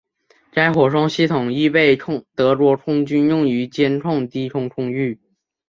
该火控系统亦被德国空军用于监控低空空域。